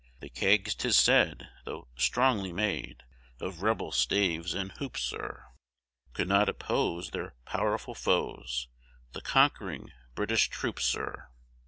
The kegs, 'tis said, though strongly made Of rebel staves and hoops, Sir, Could not oppose their pow'rful foes, The conq'ering British troops, Sir.